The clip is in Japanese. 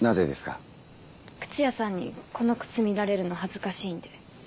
靴屋さんにこの靴見られるの恥ずかしいんで。